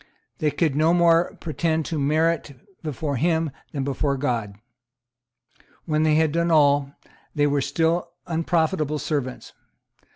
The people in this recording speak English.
They could no more pretend to merit before him than before God. When they had done all, they were still unprofitable servants.